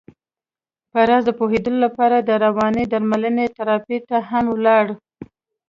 پر راز د پوهېدو لپاره د روانې درملنې تراپۍ ته هم ولاړ.